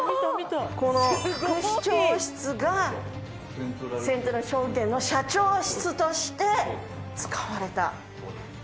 この副市長室がセントラル証券の社長室として使われた。